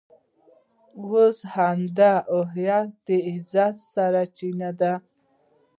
اوس همدا هویت د عزت سرچینه ده.